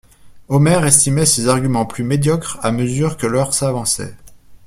Omer estimait ses arguments plus médiocres à mesure que l'heure s'avançait.